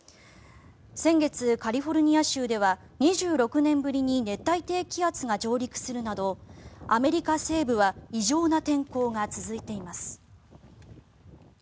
先月、カリフォルニア州では２６年ぶりに熱帯低気圧が上陸するなどアメリカ西部は異常な天候が続いています。